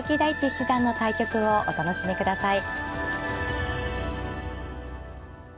七段の対局をお楽しみください。